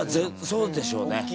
そうでしょうね。